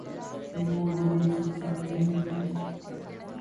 خطیب و ادیب سب جانتے ہیں۔